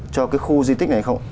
cho cái khu di tích này không